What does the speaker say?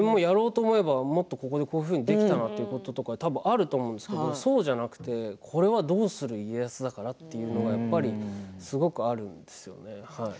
自分もやろうと思えばこういうふうにできたというのは多分あると思うんですけど、そうじゃなくてこれは「どうする家康」だからというのがすごくあるんですよね。